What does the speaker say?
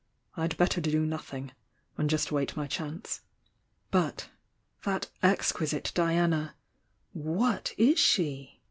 I'd better do nothing,— and just wait my chance. But— that exquisite Diana! What is she?